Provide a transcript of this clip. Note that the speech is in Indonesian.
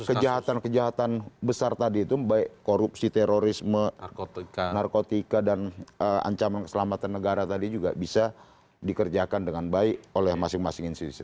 kejahatan kejahatan besar tadi itu baik korupsi terorisme narkotika dan ancaman keselamatan negara tadi juga bisa dikerjakan dengan baik oleh masing masing institusi